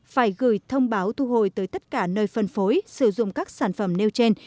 phải gửi thông báo thu hồi tới tất cả nơi phân phối sử dụng các sản phẩm nêu trên